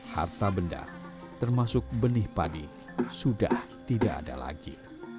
harta benda termasuk benih padi sudah tidak ada lagi